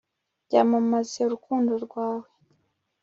byamamaze urukundo rwawe